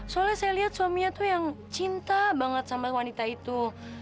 soalnya saya lihat suaminya tuh yang cinta banget sama wanita itu